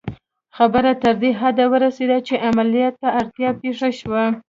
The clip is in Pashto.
خبره تر دې حده ورسېده چې عملیات ته اړتیا پېښه شوه